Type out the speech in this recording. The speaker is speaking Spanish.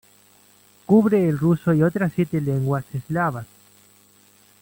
Cubre el ruso y otras siete lenguas eslavas.